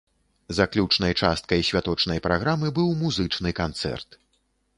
Заключнай часткай святочнай праграмы быў музычны канцэрт.